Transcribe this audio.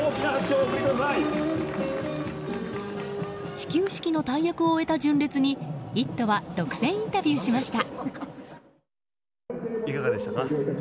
始球式の大役を終えた純烈に「イット！」は独占インタビューしました。